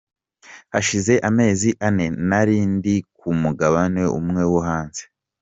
Hashize amezi ane nari ndi ku mugabane umwe wo hanze.